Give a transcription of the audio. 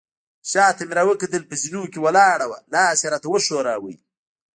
شاته مې راوکتل، په زینو کې ولاړه وه، لاس يې راته وښوراوه.